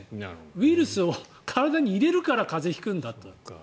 ウイルスを体に入れるから風邪を引くんだという。